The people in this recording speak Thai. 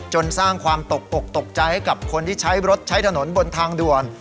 สร้างความตกอกตกใจให้กับคนที่ใช้รถใช้ถนนบนทางด่วน